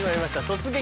「突撃！